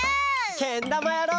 けんだまやろう！